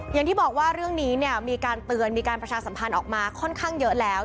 อย่างที่บอกว่าเรื่องนี้เนี่ยมีการเตือนมีการประชาสัมพันธ์ออกมาค่อนข้างเยอะแล้ว